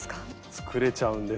作れちゃうんです。